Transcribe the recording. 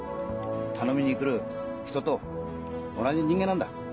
頼みに来る人と同じ人間なんだ。